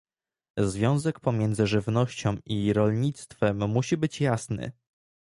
Związek pomiędzy żywnością i rolnictwem musi być jasny